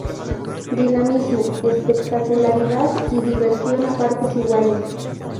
Dinamismo, espectacularidad y diversión a partes iguales.